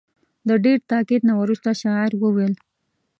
د ډېر تاکید نه وروسته شاعر وویل.